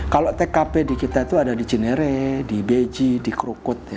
kalau tkp di kita itu ada di cinere di beji di krukut